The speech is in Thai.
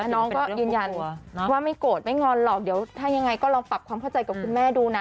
น้องก็ยืนยันว่าไม่โกรธไม่งอนหรอกเดี๋ยวถ้ายังไงก็ลองปรับความเข้าใจกับคุณแม่ดูนะ